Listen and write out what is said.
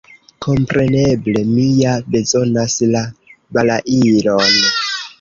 Kompreneble, mi ja bezonas la balailon.